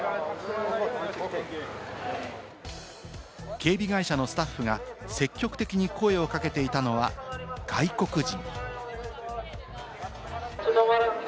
警備会社のスタッフが積極的に声をかけていたのは外国人。